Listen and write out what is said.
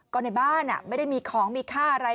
ก็ในบ้านไม่ได้มีของมีค่าอะไร